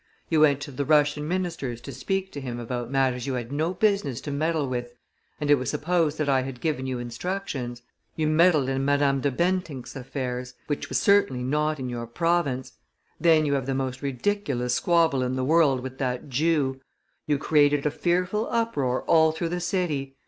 You went to the Russian minister's to speak to him about matters you had no business to meddle with, and it was supposed that I had given you instructions; you meddled in Madame de Bentinck's affairs, which was certainly not in your province. Then you have the most ridiculous squabble in the world with that Jew. You created a fearful uproar all through the city.